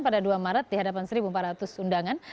pada dua maret di hadapan satu empat ratus undangan